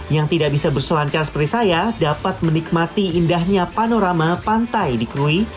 yang tidak bisa berselancar seperti saya dapat menikmati indahnya panorama pantai di krui